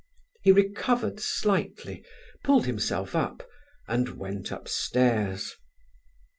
He recovered slightly, pulled himself up, and went upstairs.